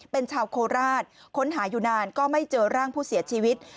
เป็นชาวโคราชค้นหาอยู่นานก็ไม่เจอร่างผู้เสียชีวิต